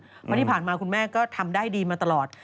เพราะที่ผ่านมาคุณแม่ก็ทำได้ดีมาตลอด